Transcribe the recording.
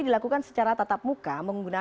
dan di dua puluh tahun